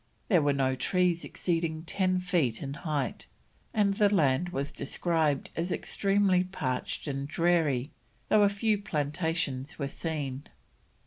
There were no trees exceeding ten feet in height, and the land is described as extremely parched and dreary, though a few plantations were seen.